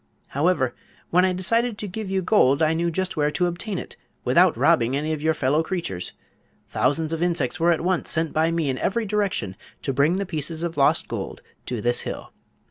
"However, when I decided to give you gold I knew just where to obtain it without robbing any of your fellow creatures. Thousands of insects were at once sent by me in every direction to bring the pieces of lost gold to this hill.